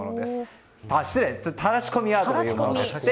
たらし込みアートというものです。